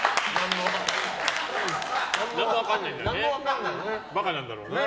何も分かんないんだね。